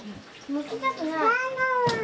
むきたくない。